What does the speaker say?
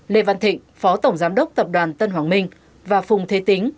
lê văn thịnh phó tổng giám đốc tập đoàn tân hoàng minh và phùng thế tính